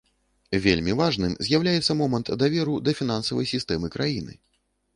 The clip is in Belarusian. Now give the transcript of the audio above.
Вельмі важным з'яўляецца момант даверу да фінансавай сістэмы краіны.